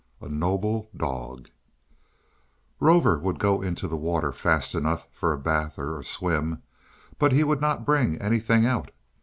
A Noble Dog ROVER would go into the water fast enough for a bathe or a swim, but he would not bring anything out.